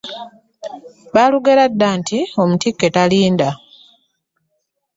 Baalugera dda nti “omutikke talinda.”